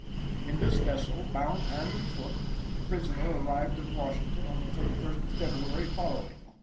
In this vessel, bound hand and foot, the prisoner arrived at Washington on the 21st of February following.